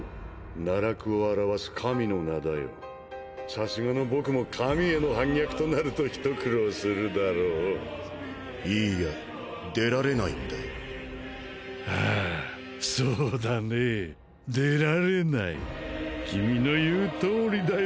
「奈落」を表す神の名だよさすがの僕も神への反逆となるとひと苦労するだろういいや出られないんああそうだね「出られない」君の言う通りだよ